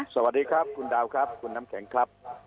สวัสดีครับคุณดาวครับคุณน้ำแข็งครับ